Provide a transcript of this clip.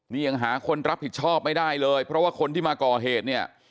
นี่ยังหาคนรับผิดชอบไม่ได้เลยเพราะว่าคนที่มาก่อเหตุเนี่ย